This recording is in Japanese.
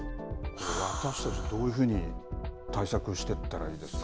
私たち、どういうふうに対策してったらいいですか。